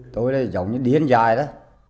tối nay giống như điên dài đó